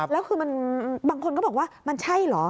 แล้วคือบางคนก็บอกว่ามันใช่เหรอ